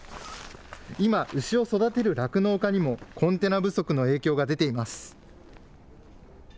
今、牛を育てる酪農家にも、コンテナ不足の影響が出ています。